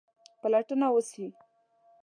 پلټنه وسي.